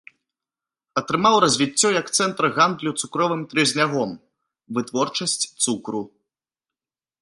Атрымаў развіццё як цэнтр гандлю цукровым трыснягом, вытворчасць цукру.